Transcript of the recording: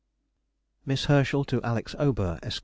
_] MISS HERSCHEL TO ALEX. AUBERT, ESQ.